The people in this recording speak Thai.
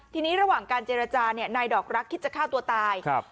ทีนี้ระหว่างการเจรจาเนี่ยนายดอกรักคิดจะฆ่าตัวตายครับ